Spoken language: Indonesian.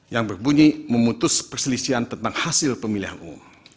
yang berbunyi memutus perselisihan tentang hasil pemilihan umum